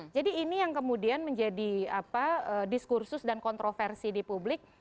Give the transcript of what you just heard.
jadi ini yang kemudian menjadi diskursus dan kontroversi di publik